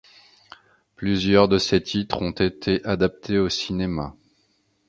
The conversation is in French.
Plusieurs de ses titres ont été adaptés au cinéma.